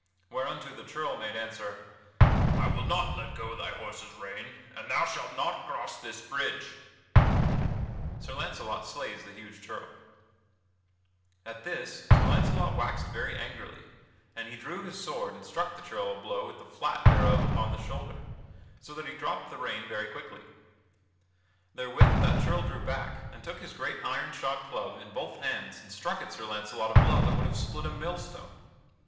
Whereunto the churl made answer: "I will not let go thy horse's rein, and thou shalt not cross this bridge." [Sidenote: Sir Launcelot slays the huge churl] At this Sir Launcelot waxed very angry, and he drew his sword and struck the churl a blow with the flat thereof upon the shoulder, so that he dropped the rein very quickly. Therewith that churl drew back and took his great iron shod club in both hands and struck at Sir Launcelot a blow that would have split a millstone.